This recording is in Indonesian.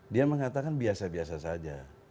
dia mengatakan biasa biasa saja